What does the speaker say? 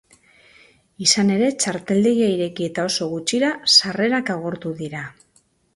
Izan ere, txarteldegia ireki eta oso gutxira, sarrerak agortu dira.